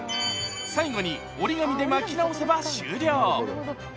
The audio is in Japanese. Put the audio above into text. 最後に折り紙で巻き直せば終了。